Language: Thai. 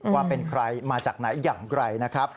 ว่าเป็นใครมาจากไหนอย่างไรนะครับ